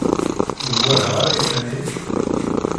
Ur walaɣ ara iffan-im?